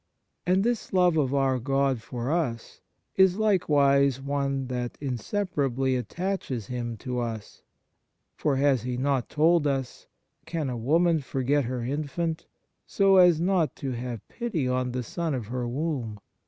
And this love of our God for us is likewise one that inseparably attaches Him to us for 69 THE MARVELS OF DIVINE GRACE has He not told us :" Can a woman forget her infant, so as not to have pity on the son of her womb